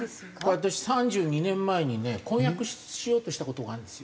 私３２年前にね婚約しようとした事があるんですよ。